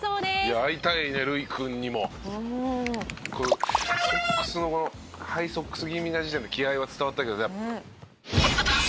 「いや会いたいね琉偉君にも」「ソックスのこのハイソックス気味な時点で気合は伝わったけどね」